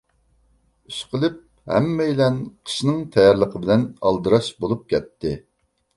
ئىشقىلىپ، ھەممەيلەن قىشنىڭ تەييارلىقى بىلەن ئالدىراش بولۇپ كەتتى.